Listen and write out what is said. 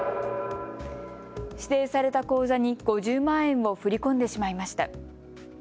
指定された口座に５０万円を振り込んでしまいました。